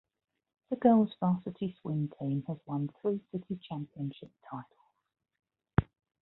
The girls varsity swim team has won three city championship titles.